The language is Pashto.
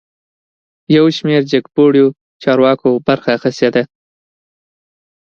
یوشمیر جګپوړیو چارواکو برخه اخیستې ده